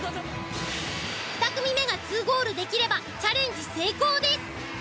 ２組目が２ゴールできればチャレンジ成功です！